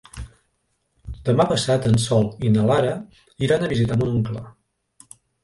Demà passat en Sol i na Lara iran a visitar mon oncle.